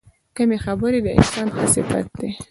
کمې خبرې، د انسان ښه صفت دی.